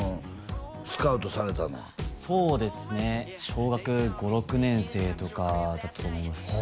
スカウトされたのはそうですね小学５６年生とかだったと思います